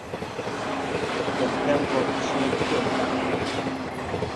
Kɛmkɛm ɓɔ cẽẽ ti gɔ me ɗa.